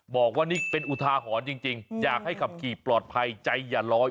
บอกว่านี่เป็นอุทาหรณ์จริงอยากให้ขับขี่ปลอดภัยใจอย่าลอย